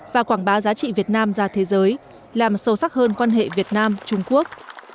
và quảng bá giá trị việt nam ra thế giới làm sâu sắc hơn quan hệ việt nam trung quốc